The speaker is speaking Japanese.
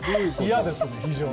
嫌ですね、非常に。